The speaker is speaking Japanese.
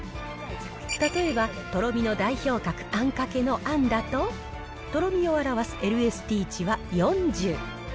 例えばとろみの代表格、あんかけのあんだと、とろみを表すＬＳＴ値は４０。